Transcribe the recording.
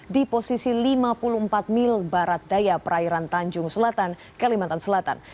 di posisi lima puluh empat mil barat daya perairan tanjung selatan kalimantan selatan